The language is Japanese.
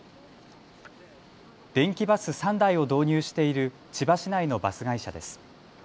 電気バス３台を導入している千葉市内のバス会社です。